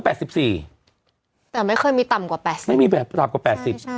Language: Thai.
แต่ไม่เคยมีต่ำกว่า๘๐ใช่ไม่เห็นอะไรล่ะค่ะ